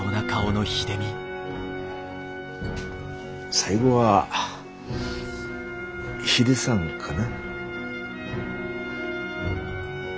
最後はヒデさんかな。